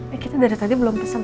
eh kita dari tadi belum pesen